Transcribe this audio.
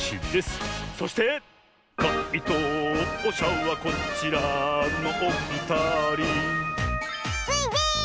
「かいとうしゃはこちらのおふたり」スイです！